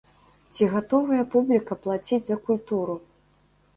Ці гатовая публіка плаціць за культуру?